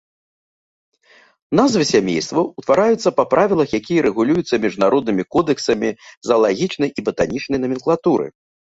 Назвы сямействаў ўтвараюцца па правілах, якія рэгулююцца міжнароднымі кодэксам заалагічнай і батанічнай наменклатуры.